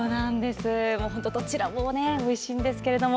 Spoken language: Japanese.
どちらもおいしいんですけども。